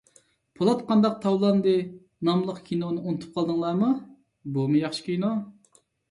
«پولات قانداق تاۋلاندى» ناملىق كىنونى ئۇنتۇپ قالدىڭلارمۇ؟ بۇمۇ ياخشى كىنو.